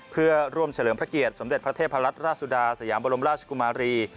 เพื่อร่วมเฉลิมพระเกียรติสมเด็จพระเทพรัตนราชสุดาสยามบรมราชกุมารี